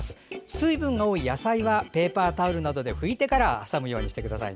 水分が多い野菜はペーパータオルなどで拭いてから挟むようにしてください。